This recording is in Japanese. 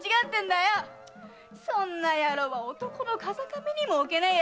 そんな野郎は男の風上にもおけねえや！